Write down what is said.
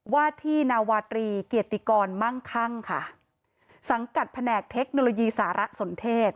ว่าที่นาวาตรีเกียรติกรมั่งคั่งค่ะสังกัดแผนกเทคโนโลยีสารสนเทศ